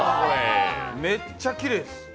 めっちゃきれいです。